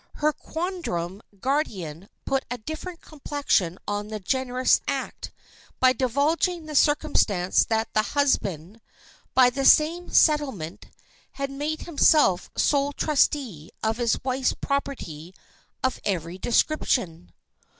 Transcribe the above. Her quondam guardian put a different complexion on the generous act by divulging the circumstance that the husband, by the same "settlement," had made himself sole trustee of his wife's property of every description.